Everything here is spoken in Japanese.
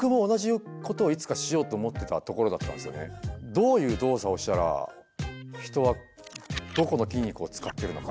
どういう動作をしたら人はどこの筋肉を使っているのか。